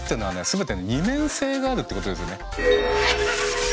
全て二面性があるってことですよね。